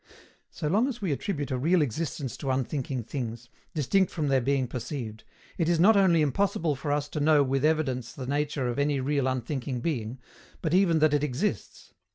So long as we attribute a real existence to unthinking things, distinct from their being perceived, it is not only impossible for us to know with evidence the nature of any real unthinking being, but even that it exists.